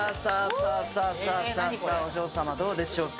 さあさあ、お嬢様、どうでしょうか？